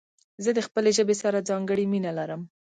زه د خپلي ژبي سره ځانګړي مينه لرم.